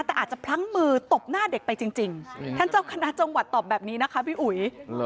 แต่อาจจะพลั้งมือตบหน้าเด็กไปจริงท่านเจ้าคณะจังหวัดตอบแบบนี้นะคะพี่อุ๋ย